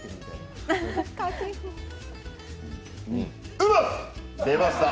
うましっ！